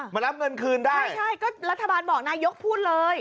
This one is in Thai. มารับเงินคืนได้ไม่ใช่ก็รัฐบาลบอกนายกพูดเลย